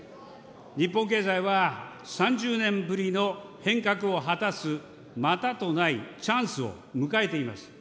日本経済は、３０年ぶりの変革を果たすまたとないチャンスを迎えています。